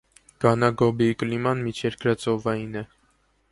Գանագոբիի կլիման միջերկրածովային է։